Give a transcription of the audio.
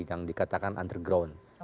yang dikatakan underground